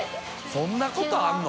そんなことあるの？